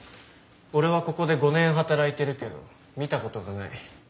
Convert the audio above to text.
俺はここで５年働いてるけど見たことがない。